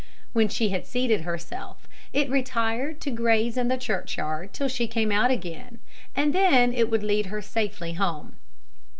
When she had seated herself, it retired to graze in the churchyard till she came out again, and then it would lead her safely home.